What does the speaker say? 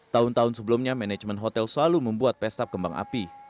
tahun tahun sebelumnya manajemen hotel selalu membuat pesta kembang api